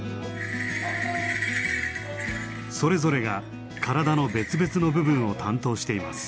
それぞれが体の別々の部分を担当しています。